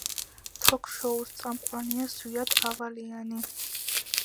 თოქ-შოუს წამყვანია ზვიად ავალიანი.